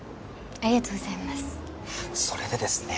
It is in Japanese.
ありがとうございますそれでですね